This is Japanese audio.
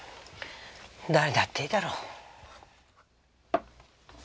誰だっていいだろう。